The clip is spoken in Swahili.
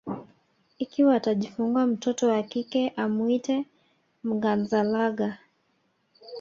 ikiwa atajifungua mtoto wa kike amwite Mnganzagala